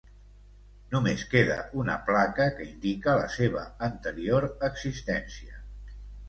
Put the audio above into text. Només queda una placa que indica la seva anterior existència.